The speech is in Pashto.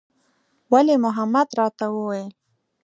ولي محمد راته وويل.